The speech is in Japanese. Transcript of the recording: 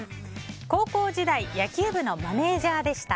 高校時代野球部のマネジャーでした。